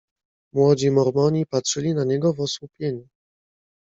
"Młodzi Mormoni patrzyli na niego w osłupieniu."